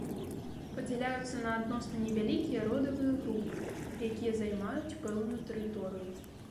Падзяляюцца на адносна невялікія родавыя групы, якія займаюць пэўную тэрыторыю.